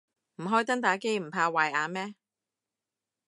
唔開燈打機唔怕壞眼咩